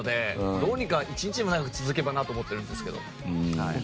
どうにか一日でも長く続けばなって思うんですけど。